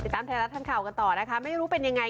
ตามไทยรัฐทางข่าวกันต่อนะคะไม่รู้เป็นยังไง